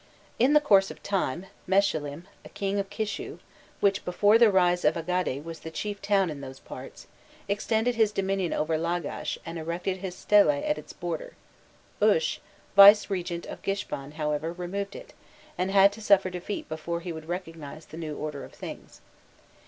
In the course of time, Meshilim, a king of Kishu, which, before the rise of Agade, was the chief town in those parts, extended his dominion over Lagash and erected his stele at its border; Ush, vicegerent of Gishban, however, removed it, and had to suffer defeat before he would recognize the new order of things.